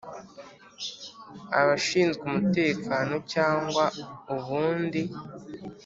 Abashinzwe umutekano cyangwa ubundi